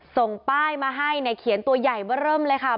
ส่งป้ายมาให้เนี่ยเขียนตัวใหญ่ว่าเริ่มเลยค่ะ